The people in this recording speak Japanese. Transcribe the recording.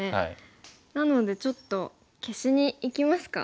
なのでちょっと消しにいきますか。